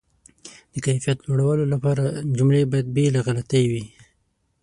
د کیفیت لوړولو لپاره، جملې باید بې له غلطۍ وي.